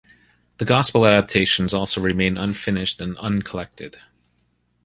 The Gospel adaptations also remain unfinished and uncollected.